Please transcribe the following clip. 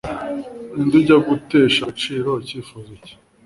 Ninde ujya gutesha agaciro icyifuzo cye